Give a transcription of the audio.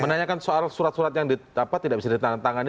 menanyakan soal surat surat yang tidak bisa ditandatangani